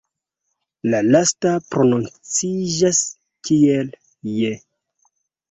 La lasta prononciĝas kiel "je".